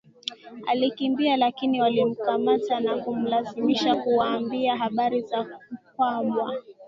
Alikimbia lakini walimkamata na kumlazimisha kuwaambia habari za Mkwawa